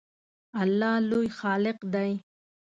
الله لوی خالق دی